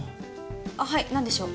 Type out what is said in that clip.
はい何でしょう？